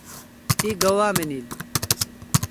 تی گوا منیل